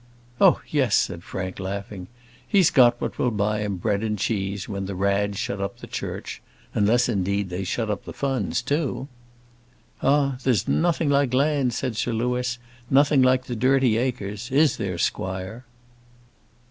"Oh, yes," said Frank, laughing. "He's got what will buy him bread and cheese when the Rads shut up the Church: unless, indeed, they shut up the Funds too." "Ah, there's nothing like land," said Sir Louis: "nothing like the dirty acres; is there, squire?"